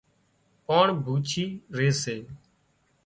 پاڻ ڀوڇي ري سي